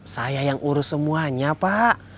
saya yang urus semuanya pak